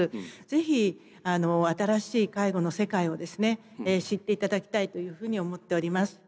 是非新しい介護の世界をですね知っていただきたいというふうに思っております。